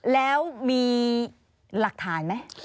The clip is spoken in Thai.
แล้วมีหลักฐานไหม